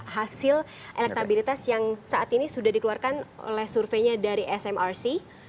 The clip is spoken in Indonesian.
hasil elektabilitas yang saat ini sudah dikeluarkan oleh surveinya dari smrc